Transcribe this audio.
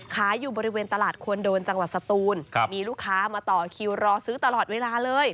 อยู่บริเวณตลาดควรโดนจังหวัดสตูนมีลูกค้ามาต่อคิวรอซื้อตลอดเวลาเลย